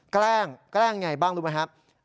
แกล้งแกล้งไงบ้างรู้ไหมครับ